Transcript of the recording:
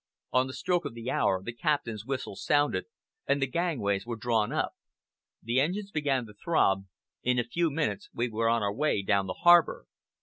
On the stroke of the hour the captain's whistle sounded, and the gangways were drawn up. The engines began to throb, in a few minutes we were on our way down the harbor.